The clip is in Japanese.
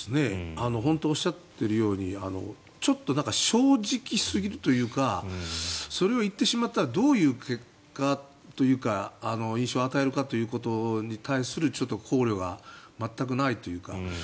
おっしゃっているようにちょっと正直すぎるというかそれを言ってしまったらどういう結果というか印象を与えるかということに対する考慮が全くないというか。